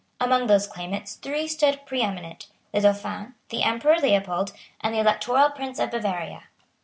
Among those claimants three stood preeminent, the Dauphin, the Emperor Leopold, and the Electoral Prince of Bavaria.